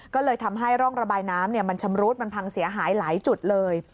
ก็เลยทำให้ร่องระบายน้ำมันชำรุดมันพังเสียหายหลายจุดเลย